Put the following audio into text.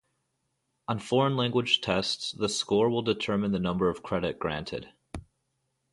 On foreign language tests, the score will determine the number of credit granted.